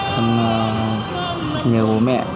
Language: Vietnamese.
con nhớ bố mẹ